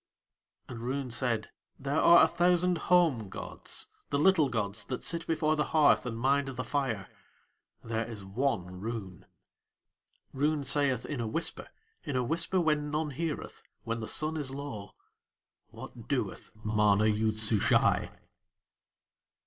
And Roon said: "There are a thousand home gods, the little gods that sit before the hearth and mind the fire there is one Roon." Roon saith in a whisper, in a whisper when none heareth, when the sun is low: "What doeth MANA YOOD SUSHAI?"